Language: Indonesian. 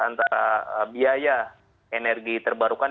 antara biaya energi terbarukan